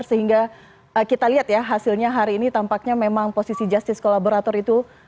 sehingga kita lihat ya hasilnya hari ini tampaknya memang posisi justice kolaborator itu